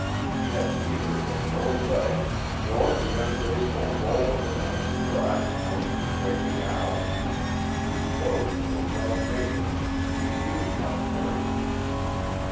He had neither the bow legs nor the ungraceful roll of the man who rides most of his waking hours. His clothes were well made and he knew how to carry them.